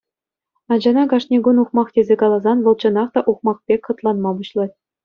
Ачана кашни кун ухмах тесе каласан, вӑл чӑнах та ухмах пек хӑтланма пуҫлать.